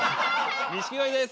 錦鯉です。